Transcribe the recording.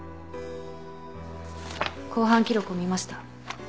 公判記録を見ました。